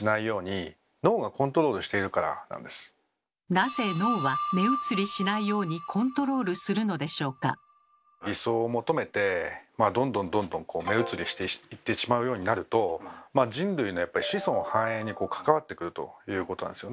なぜ脳は理想を求めてどんどんどんどんこう目移りしていってしまうようになると人類のやっぱり子孫繁栄に関わってくるということなんですよね。